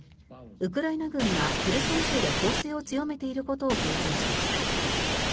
ウクライナ軍がヘルソン州で攻勢を強めていることを強調しました。